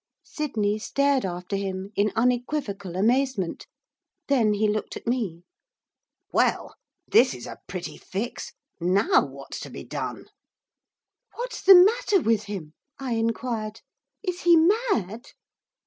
Sydney stared after him in unequivocal amazement. Then he looked at me. 'Well! this is a pretty fix! now what's to be done?' 'What's the matter with him?' I inquired. 'Is he mad?